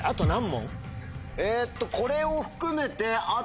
えっとこれを含めてあと？